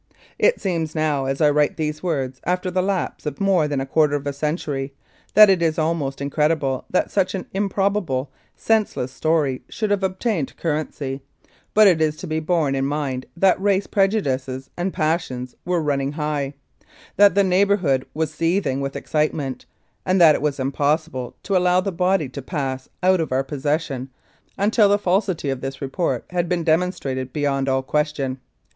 It seems now, as I write these words after the lapse of more than a quarter of a century, that it is almost incredible that such an improbable, senseless story should have obtained currency; but it is to be borne in mind that race prejudices and passions were running high, that the neighbourhood was seething with excite ment, and that it was impossible to allow the body to pass out of our possession until the falsity of this report had been demonstrated beyond all question.